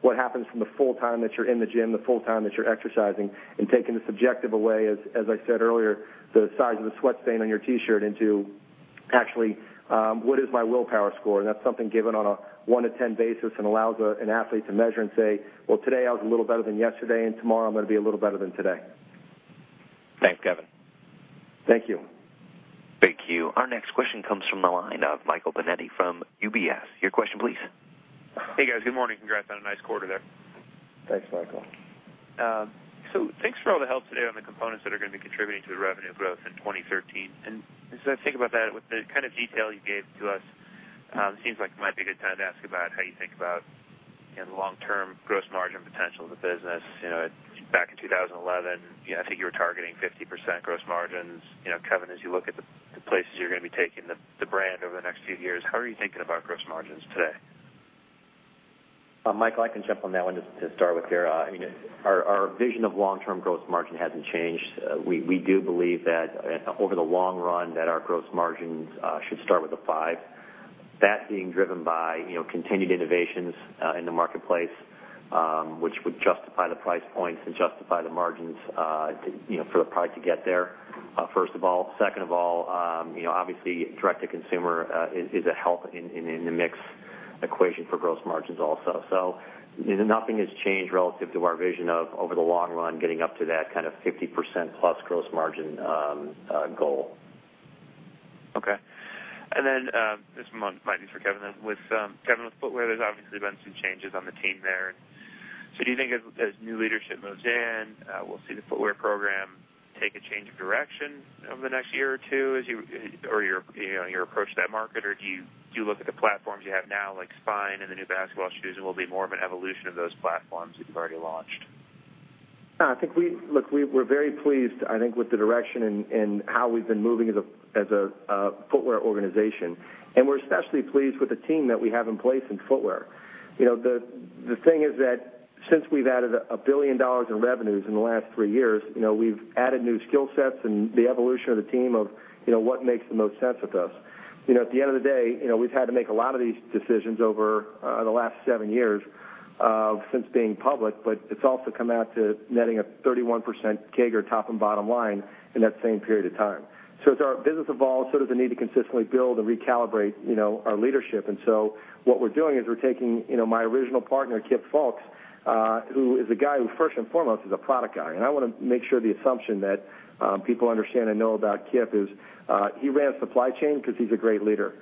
What happens from the full time that you're in the gym, the full time that you're exercising and taking the subjective away, as I said earlier, the size of the sweat stain on your T-shirt into actually, what is my willpower score? That's something given on a one to 10 basis and allows an athlete to measure and say, "Well, today I was a little better than yesterday, and tomorrow I'm going to be a little better than today. Thanks, Kevin. Thank you. Thank you. Our next question comes from the line of Michael Binetti from UBS. Your question, please. Hey, guys. Good morning. Congrats on a nice quarter there. Thanks, Michael. Thanks for all the help today on the components that are going to be contributing to the revenue growth in 2013. As I think about that with the kind of detail you gave to us, it seems like it might be a good time to ask about how you think about long-term gross margin potential of the business. Back in 2011, I think you were targeting 50% gross margins. Kevin, as you look at the places you're going to be taking the brand over the next few years, how are you thinking about gross margins today? Michael, I can jump on that one just to start with there. Our vision of long-term gross margin hasn't changed. We do believe that over the long run, that our gross margins should start with a five. That being driven by continued innovations in the marketplace, which would justify the price points and justify the margins for the product to get there, first of all. Second of all, obviously, direct to consumer is a help in the mix equation for gross margins also. Nothing has changed relative to our vision of over the long run, getting up to that kind of 50% plus gross margin goal. Okay. Then this might be for Kevin, then. Kevin, with footwear, there's obviously been some changes on the team there. Do you think as new leadership moves in, we'll see the footwear program take a change of direction over the next year or two as you or your approach to that market, or do you look at the platforms you have now, like Spine and the new basketball shoes, and will be more of an evolution of those platforms that you've already launched? Look, we're very pleased, I think, with the direction and how we've been moving as a footwear organization, and we're especially pleased with the team that we have in place in footwear. The thing is that since we've added $1 billion in revenues in the last three years, we've added new skill sets and the evolution of the team of what makes the most sense with us. At the end of the day, we've had to make a lot of these decisions over the last seven years since being public, but it's also come out to netting a 31% CAGR top and bottom line in that same period of time. As our business evolves, so does the need to consistently build and recalibrate our leadership. What we're doing is we're taking my original partner, Kip Fulks, who is a guy who first and foremost is a product guy. I want to make sure the assumption that people understand and know about Kip is he ran supply chain because he's a great leader.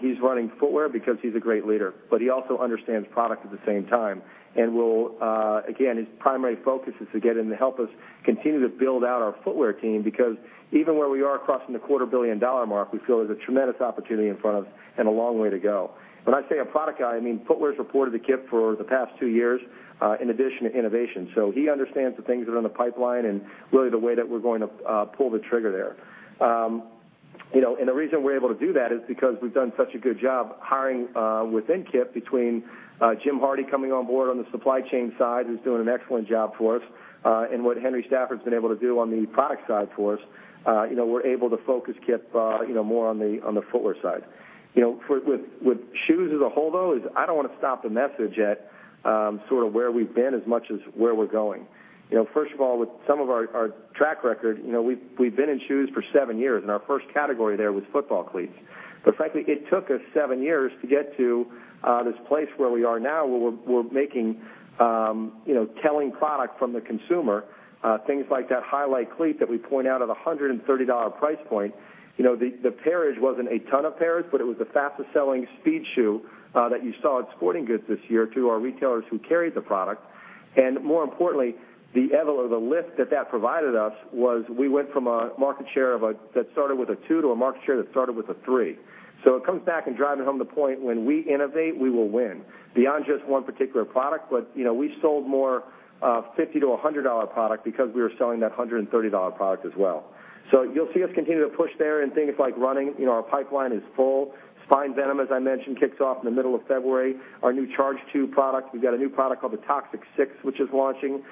He's running footwear because he's a great leader, but he also understands product at the same time. Again, his primary focus is to get in and help us continue to build out our footwear team because even where we are crossing the quarter billion-dollar mark, we feel there's a tremendous opportunity in front of us and a long way to go. When I say a product guy, I mean Footwear's reported to Kip for the past two years, in addition to innovation. He understands the things that are in the pipeline and really the way that we're going to pull the trigger there. The reason we're able to do that is because we've done such a good job hiring within Kip between Jim Hardy coming on board on the supply chain side, who's doing an excellent job for us, and what Henry Stafford's been able to do on the product side for us. We're able to focus Kip more on the footwear side. With shoes as a whole, though, I don't want to stop the message at sort of where we've been as much as where we're going. First of all, with some of our track record, we've been in shoes for seven years, and our first category there was football cleats. Frankly, it took us seven years to get to this place where we are now, where we're making telling product from the consumer. Things like that Highlight Cleat that we point out at $130 price point. The pairage wasn't a ton of pairs, but it was the fastest-selling speed shoe that you saw at Sporting Goods this year through our retailers who carried the product. More importantly, the lift that that provided us was we went from a market share that started with a two to a market share that started with a three. It comes back and driving home the point when we innovate, we will win. Beyond just one particular product, but we sold more $50-$100 product because we were selling that $130 product as well. You'll see us continue to push there in things like running. Our pipeline is full. Spine Venom, as I mentioned, kicks off in the middle of February. Our new Charge 2 product. We've got a new product called the Toxic 6, which is launching.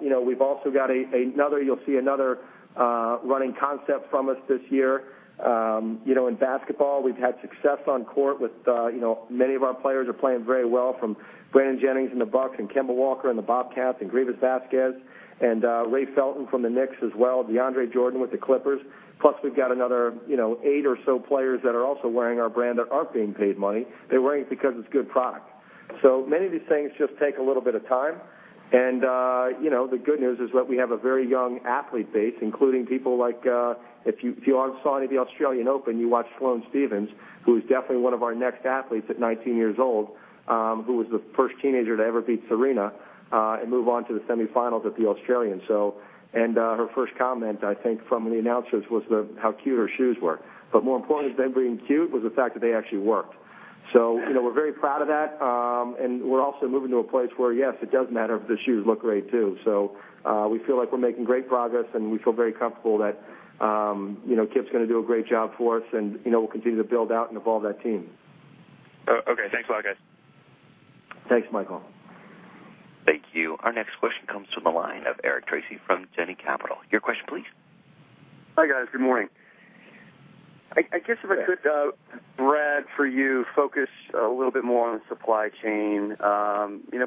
You'll see another running concept from us this year. In basketball, we've had success on court with many of our players are playing very well, from Brandon Jennings and the Bucks and Kemba Walker and the Bobcats and Greivis Vásquez and Ray Felton from the Knicks as well, DeAndre Jordan with the Clippers. We've got another eight or so players that are also wearing our brand that aren't being paid money. They're wearing it because it's a good product. Many of these things just take a little bit of time, and the good news is that we have a very young athlete base, including people like, if you all saw any of the Australian Open, you watched Sloane Stephens, who is definitely one of our next athletes at 19 years old. She was the first teenager to ever beat Serena and move on to the semifinals at the Australian. Her first comment, I think, from the announcers was how cute her shoes were. More important than being cute was the fact that they actually worked. We're very proud of that. We're also moving to a place where, yes, it does matter if the shoes look great, too. We feel like we're making great progress, and we feel very comfortable that Kip's going to do a great job for us, and we'll continue to build out and evolve that team. Okay. Thanks a lot, guys. Thanks, Michael. Thank you. Our next question comes from the line of Eric Tracy from Janney Capital. Your question, please. Hi, guys. Good morning. I guess if I could, Brad, for you, focus a little bit more on the supply chain.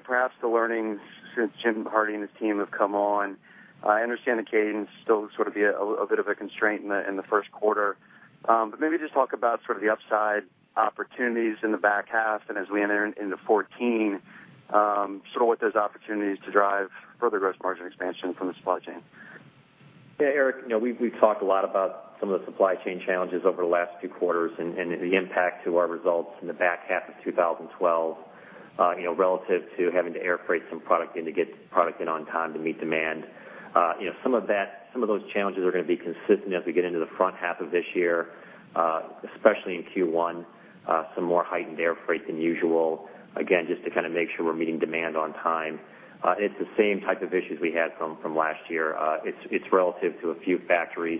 Perhaps the learnings since James Hardy and his team have come on. I understand the cadence still sort of be a bit of a constraint in the first quarter. Maybe just talk about sort of the upside opportunities in the back half and as we enter into 2014, sort of what those opportunities to drive further gross margin expansion from the supply chain. Yeah, Eric, we've talked a lot about some of the supply chain challenges over the last few quarters and the impact to our results in the back half of 2012, relative to having to air freight some product in to get product in on time to meet demand. Some of those challenges are going to be consistent as we get into the front half of this year, especially in Q1. Some more heightened air freight than usual. Again, just to kind of make sure we're meeting demand on time. It's the same type of issues we had from last year. It's relative to a few factories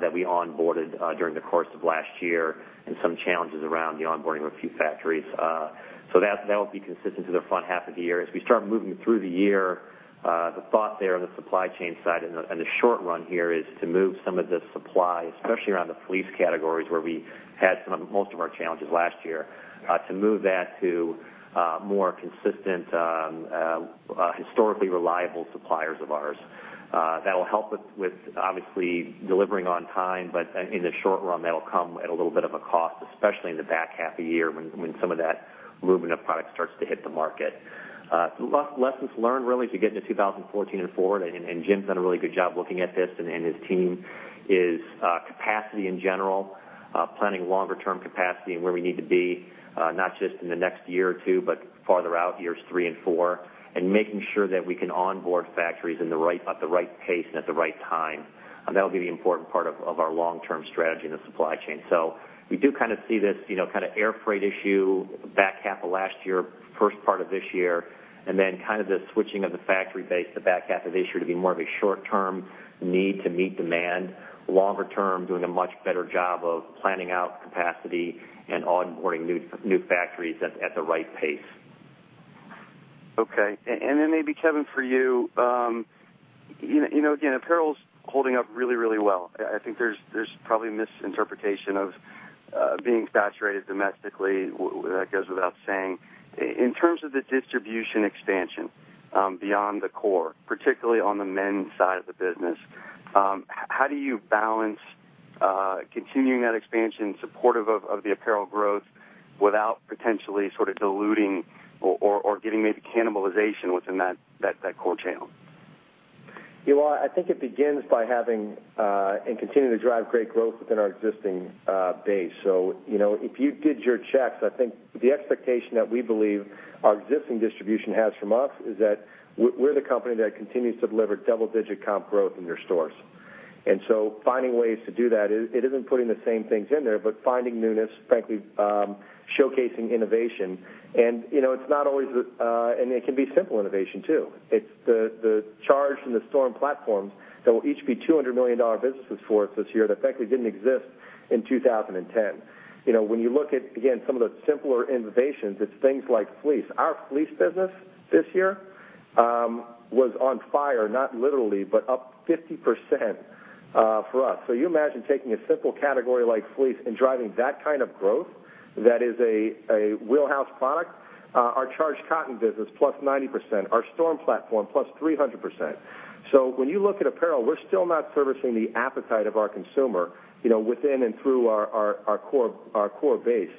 that we onboarded during the course of last year and some challenges around the onboarding of a few factories. That will be consistent through the front half of the year. As we start moving through the year, the thought there on the supply chain side in the short run here is to move some of the supply, especially around the fleece categories, where we had most of our challenges last year. To move that to more consistent, historically reliable suppliers of ours. That'll help with obviously delivering on time, but in the short run, that'll come at a little bit of a cost, especially in the back half of the year when some of that movement of product starts to hit the market. Lessons learned, really, to get into 2014 and forward, and Jim's done a really good job looking at this and his team, is capacity in general. Planning longer-term capacity and where we need to be, not just in the next year or two, but farther out, years three and four. Making sure that we can onboard factories at the right pace and at the right time. That'll be the important part of our long-term strategy in the supply chain. We do kind of see this air freight issue back half of last year, first part of this year, and then kind of the switching of the factory base the back half of this year to be more of a short-term need to meet demand. Longer term, doing a much better job of planning out capacity and onboarding new factories at the right pace. Okay. Then maybe Kevin, for you. Again, apparel's holding up really, really well. I think there's probably misinterpretation of being saturated domestically. That goes without saying. In terms of the distribution expansion beyond the core, particularly on the men's side of the business. How do you balance continuing that expansion supportive of the apparel growth without potentially sort of diluting or getting maybe cannibalization within that core channel? Yeah. Well, I think it begins by having and continuing to drive great growth within our existing base. If you did your checks, I think the expectation that we believe our existing distribution has from us is that we're the company that continues to deliver double-digit comp growth in their stores. Finding ways to do that, it isn't putting the same things in there, but finding newness, frankly, showcasing innovation. It can be simple innovation too. It's the Charge and the Storm platforms that will each be $200 million businesses for us this year that frankly didn't exist in 2010. When you look at, again, some of the simpler innovations, it's things like fleece. Our fleece business this year was on fire, not literally, but up 50% for us. You imagine taking a simple category like fleece and driving that kind of growth, that is a wheelhouse product. Our Charged Cotton business +90%, our Storm platform +300%. When you look at apparel, we're still not servicing the appetite of our consumer within and through our core base.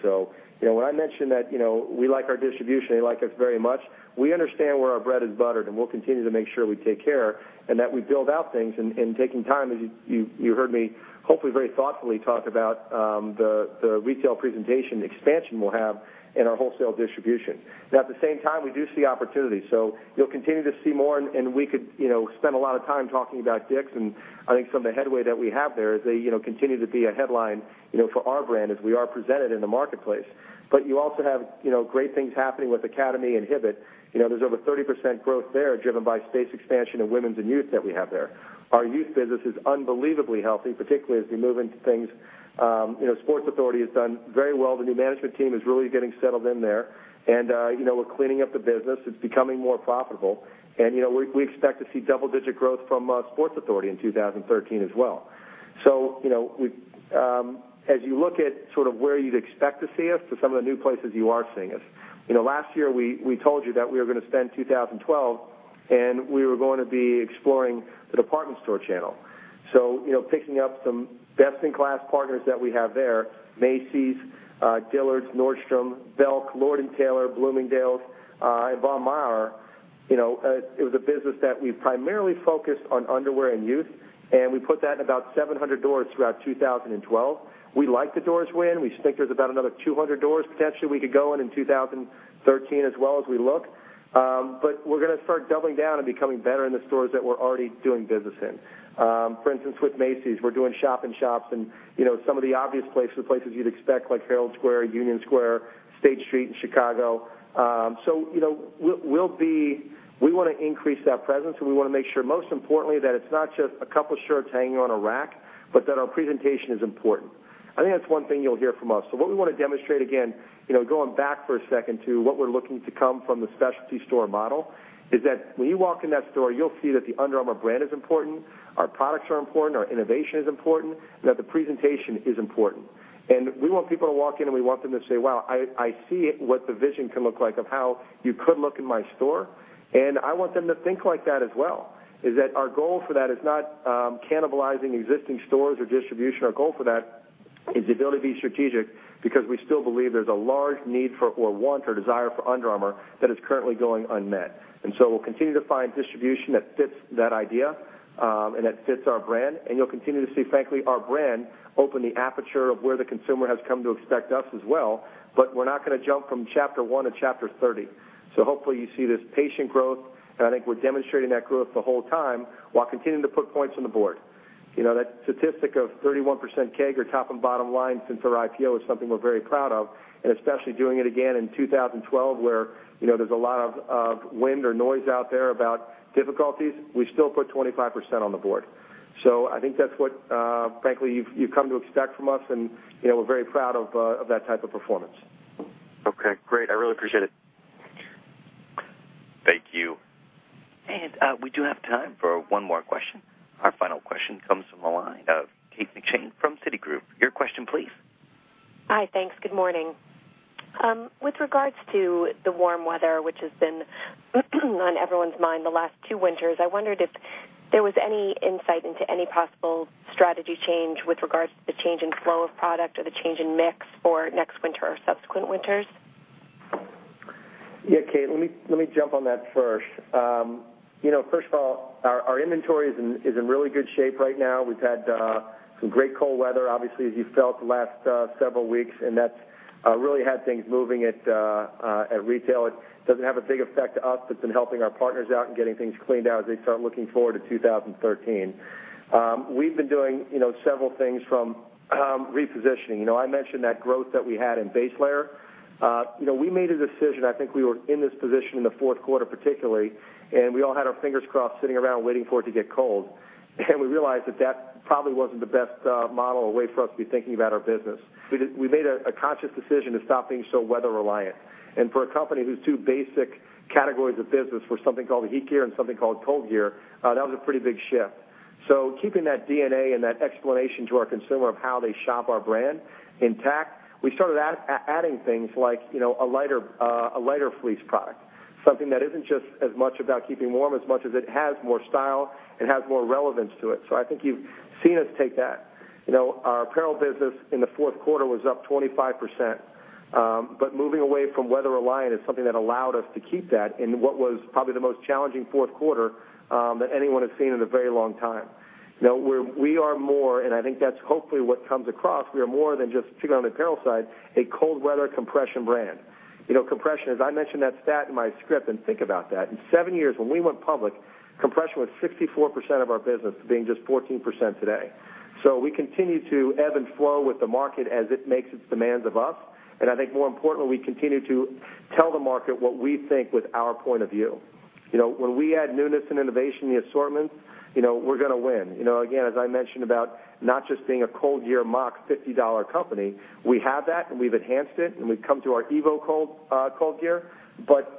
When I mentioned that we like our distribution, they like us very much, we understand where our bread is buttered, and we'll continue to make sure we take care and that we build out things and taking time, as you heard me, hopefully, very thoughtfully talk about the retail presentation expansion we'll have in our wholesale distribution. At the same time, we do see opportunity. You'll continue to see more, and we could spend a lot of time talking about DICK'S. I think some of the headway that we have there as they continue to be a headline for our brand as we are presented in the marketplace. You also have great things happening with Academy and Hibbett. There's over 30% growth there driven by space expansion in women's and youth that we have there. Our youth business is unbelievably healthy, particularly as we move into things. Sports Authority has done very well. The new management team is really getting settled in there, and we're cleaning up the business. It's becoming more profitable, and we expect to see double-digit growth from Sports Authority in 2013 as well. As you look at sort of where you'd expect to see us to some of the new places you are seeing us. Last year, we told you that we were going to spend 2012 and we were going to be exploring the department store channel. Picking up some best-in-class partners that we have there, Macy's, Dillard's, Nordstrom, Belk, Lord & Taylor, Bloomingdale's, and Bon-Ton. It was a business that we primarily focused on underwear and youth, and we put that in about 700 doors throughout 2012. We like the doors we're in. We think there's about another 200 doors potentially we could go in in 2013 as well as we look. We're going to start doubling down and becoming better in the stores that we're already doing business in. For instance, with Macy's, we're doing shop-in-shops and some of the obvious places you'd expect, like Herald Square, Union Square, State Street in Chicago. We want to increase that presence, and we want to make sure, most importantly, that it's not just a couple shirts hanging on a rack, but that our presentation is important. I think that's one thing you'll hear from us. What we want to demonstrate, again, going back for a second to what we're looking to come from the specialty store model, is that when you walk in that store, you'll see that the Under Armour brand is important, our products are important, our innovation is important, and that the presentation is important. We want people to walk in, and we want them to say, "Wow, I see what the vision can look like of how you could look in my store." I want them to think like that as well, is that our goal for that is not cannibalizing existing stores or distribution. Our goal for that is the ability to be strategic because we still believe there's a large need or want or desire for Under Armour that is currently going unmet. We'll continue to find distribution that fits that idea and that fits our brand, and you'll continue to see, frankly, our brand open the aperture of where the consumer has come to expect us as well, but we're not going to jump from chapter one to chapter 30. Hopefully you see this patient growth, and I think we're demonstrating that growth the whole time while continuing to put points on the board. That statistic of 31% CAGR top and bottom line since our IPO is something we're very proud of, and especially doing it again in 2012, where there's a lot of wind or noise out there about difficulties. We still put 25% on the board. I think that's what, frankly, you've come to expect from us, and we're very proud of that type of performance. Okay, great. I really appreciate it. Thank you. We do have time for one more question. Our final question comes from the line of Kate McShane from Citigroup. Your question, please. Hi, thanks. Good morning. With regards to the warm weather, which has been on everyone's mind the last two winters, I wondered if there was any insight into any possible strategy change with regards to the change in flow of product or the change in mix for next winter or subsequent winters. Yeah, Kate, let me jump on that first. First of all, our inventory is in really good shape right now. We've had some great cold weather, obviously, as you felt the last several weeks, and that's really had things moving at retail. It doesn't have a big effect to us. It's been helping our partners out and getting things cleaned out as they start looking forward to 2013. We've been doing several things from repositioning. I mentioned that growth that we had in base layer. We made a decision. I think we were in this position in the fourth quarter particularly, we all had our fingers crossed, sitting around waiting for it to get cold. We realized that that probably wasn't the best model or way for us to be thinking about our business. We made a conscious decision to stop being so weather reliant. For a company whose two basic categories of business were something called HeatGear and something called ColdGear, that was a pretty big shift. Keeping that DNA and that explanation to our consumer of how they shop our brand intact, we started adding things like a lighter fleece product, something that isn't just as much about keeping warm as much as it has more style and has more relevance to it. I think you've seen us take that. Our apparel business in the fourth quarter was up 25%, moving away from weather reliant is something that allowed us to keep that in what was probably the most challenging fourth quarter that anyone has seen in a very long time. I think that's hopefully what comes across. We are more than just, particularly on the apparel side, a cold weather compression brand. Compression, as I mentioned that stat in my script, think about that. In seven years when we went public, compression was 64% of our business, to being just 14% today. We continue to ebb and flow with the market as it makes its demands of us, I think more importantly, we continue to tell the market what we think with our point of view. When we add newness and innovation in the assortment, we're going to win. Again, as I mentioned about not just being a ColdGear mock $50 company, we have that and we've enhanced it, and we've come to our Evo ColdGear.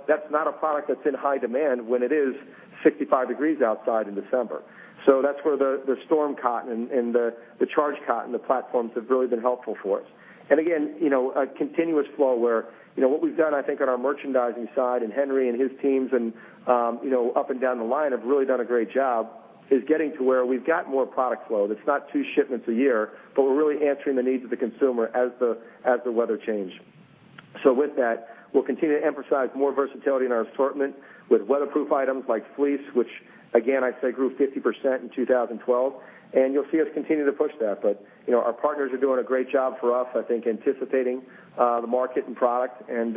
That's not a product that's in high demand when it is 65 degrees outside in December. That's where the Storm Cotton and the Charged Cotton, the platforms have really been helpful for us. A continuous flow where what we've done, I think, on our merchandising side, and Henry and his teams and up and down the line have really done a great job, is getting to where we've got more product flow that's not two shipments a year, but we're really answering the needs of the consumer as the weather change. With that, we'll continue to emphasize more versatility in our assortment with weatherproof items like fleece, which again, I'd say grew 50% in 2012, and you'll see us continue to push that. Our partners are doing a great job for us, I think, anticipating the market and product and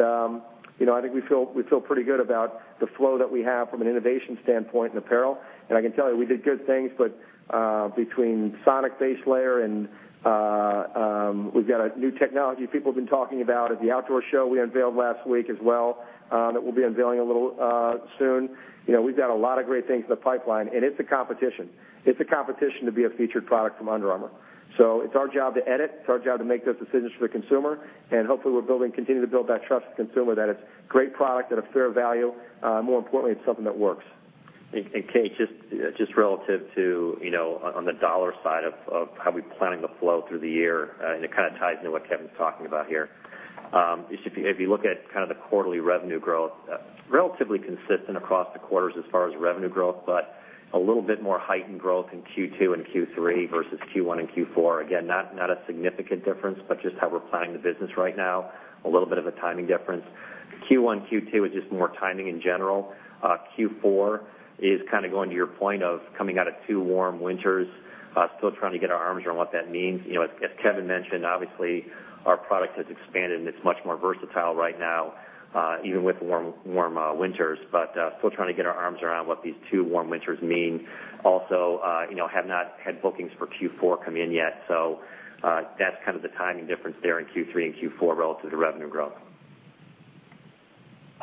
I think we feel pretty good about the flow that we have from an innovation standpoint in apparel. I can tell you, we did good things, but between Sonic base layer and we've got a new technology people have been talking about at the outdoor show we unveiled last week as well, that we'll be unveiling a little soon. We've got a lot of great things in the pipeline and it's a competition. It's a competition to be a featured product from Under Armour. It's our job to edit, it's our job to make those decisions for the consumer, and hopefully we're building, continue to build that trust with the consumer that it's great product at a fair value. More importantly, it's something that works. Kate, just relative to on the dollar side of how we're planning to flow through the year, and it kind of ties into what Kevin's talking about here. If you look at kind of the quarterly revenue growth, relatively consistent across the quarters as far as revenue growth, but a little bit more heightened growth in Q2 and Q3 versus Q1 and Q4. Not a significant difference, but just how we're planning the business right now, a little bit of a timing difference. Q1, Q2 is just more timing in general. Q4 is kind of going to your point of coming out of two warm winters, still trying to get our arms around what that means. As Kevin mentioned, obviously our product has expanded and it's much more versatile right now, even with warm winters, but still trying to get our arms around what these two warm winters mean. Also, have not had bookings for Q4 come in yet. That's kind of the timing difference there in Q3 and Q4 relative to revenue growth.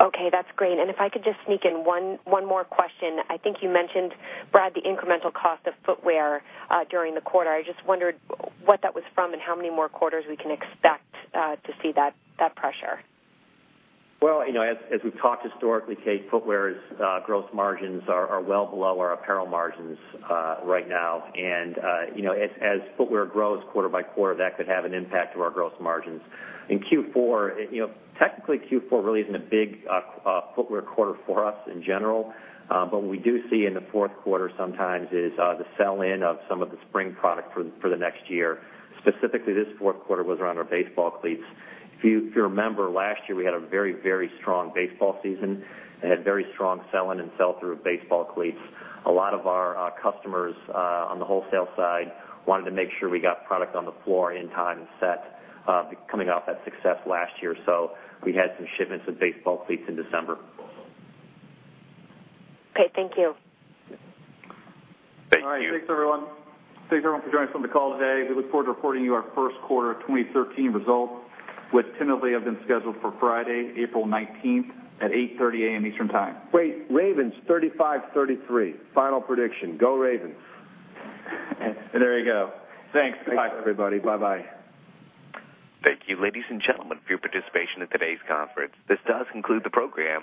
Okay, that's great. If I could just sneak in one more question. I think you mentioned, Brad, the incremental cost of footwear during the quarter. I just wondered what that was from and how many more quarters we can expect to see that pressure. Well, as we've talked historically, Kate, footwear's gross margins are well below our apparel margins right now. As footwear grows quarter by quarter, that could have an impact to our gross margins. In Q4, technically Q4 really isn't a big footwear quarter for us in general. What we do see in the fourth quarter sometimes is the sell-in of some of the spring product for the next year. Specifically, this fourth quarter was around our baseball cleats. If you remember last year, we had a very, very strong baseball season and had very strong sell-in and sell-through of baseball cleats. A lot of our customers on the wholesale side wanted to make sure we got product on the floor in time and set, coming off that success last year. We had some shipments of baseball cleats in December. Okay. Thank you. Thank you. All right. Thanks, everyone. Thanks, everyone, for joining us on the call today. We look forward to reporting you our first quarter 2013 results, which tentatively have been scheduled for Friday, April 19th at 8:30 A.M. Eastern Time. Wait, Ravens 35-33. Final prediction. Go Ravens. There you go. Thanks. Bye everybody. Bye bye. Thank you, ladies and gentlemen, for your participation in today's conference. This does conclude the program.